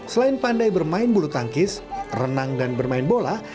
selain pandai bermain bulu tangkis renang dan bermain bola